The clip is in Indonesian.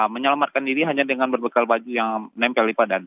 menyelamatkan diri hanya dengan berbekal baju yang nempel di badan